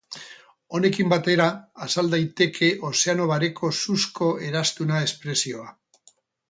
Honekin batera azal daiteke Ozeano Bareko Suzko Eraztuna espresioa.